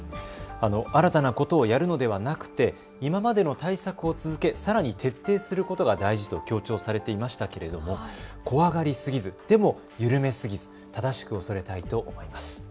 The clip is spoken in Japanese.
新たなことをやるのではなくて今までの対策を続け、さらに徹底することが大事と強調されていましたけれども怖がりすぎず、でも緩めすぎず正しく恐れたいと思います。